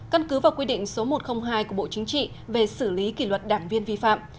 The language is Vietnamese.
căn cứ vào quy định số một trăm linh hai của bộ chính trị về xử lý kỷ luật đảng viên vi phạm